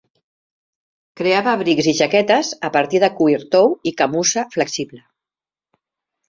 Creava abrics i jaquetes a partir de cuir tou i camussa flexible.